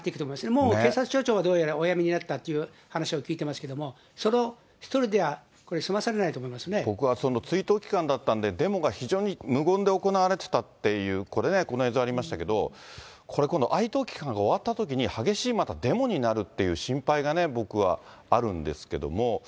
もう警察署長はどうやらお辞めになったという話を聞いてますけども、その１人ではこれ、ここは追悼期間だったので、デモが非常に無言で行われてたっていう、これね、この映像ありましたけど、これ、今度哀悼期間が終わったときに、激しいデモになるっていう、心配がね、僕はあるんですけども。